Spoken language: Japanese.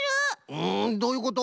うんどういうこと？